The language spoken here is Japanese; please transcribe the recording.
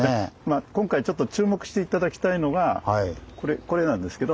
今回ちょっと注目して頂きたいのがこれなんですけど。